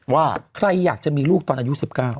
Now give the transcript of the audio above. ว่าใครอยากจะมีลูกตอนอายุ๑๙